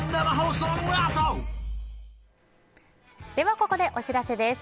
ここでお知らせです。